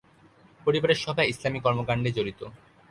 পরিবারের সবাই ইসলামি কর্মকাণ্ডে জড়িত।